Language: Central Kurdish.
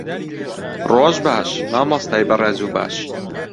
ڕۆژ باش، مامۆستای بەڕێز و باش.